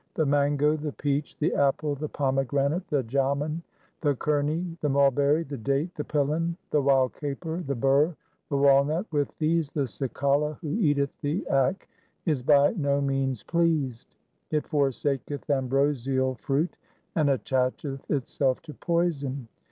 The mango, the peach, the apple, the pome granate, the jaman, 5 the khirni, 6 the mulberry, the date, the pilun, the wild caper, the ber, the walnut — with these the cicala who eateth the akk is by no means pleased. It forsaketh ambrosial fruit and attacheth itself to poison.